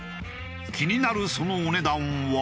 気になるそのお値段は？